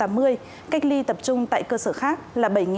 trong đó cách ly tập trung tại cơ sở khác là bảy hai mươi